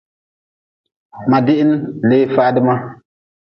Ma dihin lee faadi ma.